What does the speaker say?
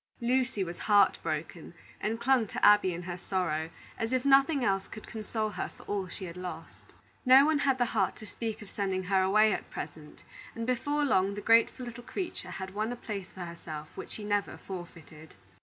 Lucy was heart broken, and clung to Abby in her sorrow, as if nothing else could console her for all she had lost. No one had the heart to speak of sending her away at present; and, before long, the grateful little creature had won a place for herself which she never forfeited.